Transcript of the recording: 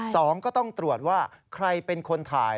สองก็ต้องตรวจว่าใครเป็นคนถ่าย